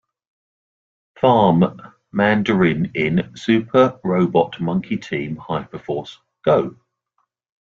Farm", Mandarin in "Super Robot Monkey Team Hyperforce Go!